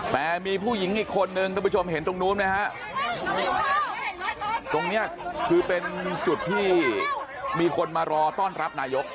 แต่มีผู้หญิงอีกคนนึงทุกผู้ชมเห็นตรงนู้นไหมฮะตรงนี้คือเป็นจุดที่มีคนมารอต้อนรับนายก